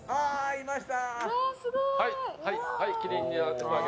いました！